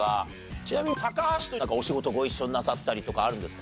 ちなみに高橋とお仕事ご一緒になさったりとかあるんですか？